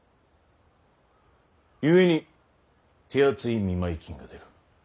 ゆえに手厚い見舞い金が出る。